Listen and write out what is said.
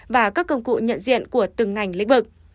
và các công cụ nhận diện của từng ngành lĩnh vực